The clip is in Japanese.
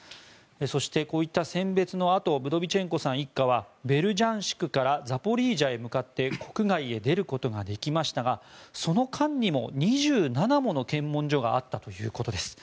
そしてこういった選別のあとブドビチェンコさん一家はベルジャンシクからザポリージャへ向かって国外へ出ることができましたがその間にも２７もの検問所があったということです。